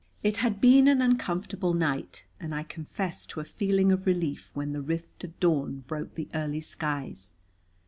It had been an uncomfortable night, and I confess to a feeling of relief when "the rift of dawn" broke the early skies.